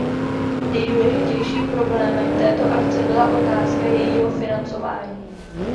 Nejdůležitějším problémem této akce byla otázka jejího financování.